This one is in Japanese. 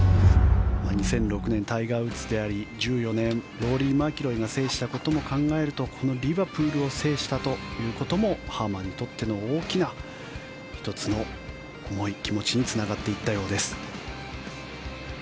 ２００６年タイガー・ウッズであり１４年、ローリー・マキロイが制したことも考えるとこのリバプールを制したということもハーマンにとっての大きな１つの重い気持ちにつながっていったようです。